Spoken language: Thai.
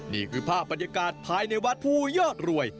นี่คือภาพบรรยากาศภายในวัดผู้ยอดรวย